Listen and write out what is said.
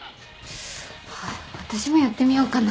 私もやってみようかな。